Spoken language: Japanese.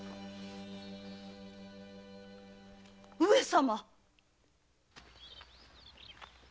上様！